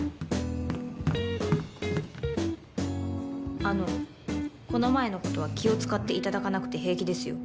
あのこの前の事は気を使って頂かなくて平気ですよ。